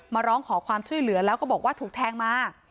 มาร้องขอความช่วยเหลือแล้วก็บอกว่าถูกแทงมา